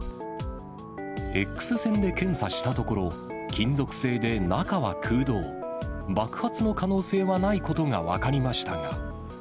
Ｘ線で検査したところ、金属製で中は空洞、爆発の可能性はないことが分かりましたが。